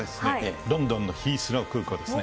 ロンドンのヒースロー空港ですね。